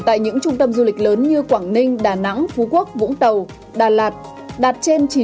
tại những trung tâm du lịch lớn như quảng ninh đà nẵng phú quốc vũng tàu đà lạt đạt trên chín mươi